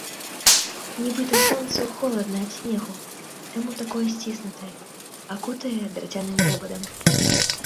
Нібыта сонцу холадна ад снегу, таму такое сціснутае, акутае драцяным вобадам.